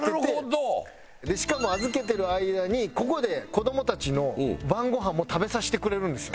しかも預けてる間にここで子どもたちの晩ごはんも食べさせてくれるんですよ。